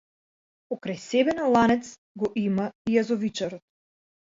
Покрај себе на ланец го има јазовичарот.